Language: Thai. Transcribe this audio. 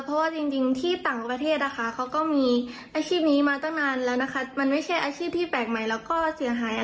ก็แค่คุยกันในโลกออนไลน์ค่ะ